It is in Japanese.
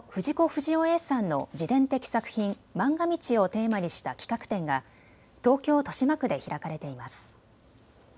不二雄Ａさんの自伝的作品、まんが道をテーマにした企画展が東京豊島区で開かれています。